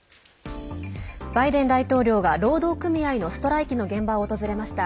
バイデン大統領が労働組合のストライキの現場を訪れました。